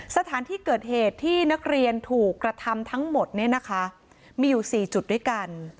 สถานที่เกิดเหตุที่นักเรียนถูกกระทำทั้งหมดเนี่ยนะคะมีอยู่๔จุดด้วยกัน